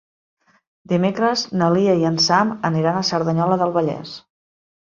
Dimecres na Lia i en Sam aniran a Cerdanyola del Vallès.